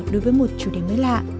đối với một chủ đề mới lạ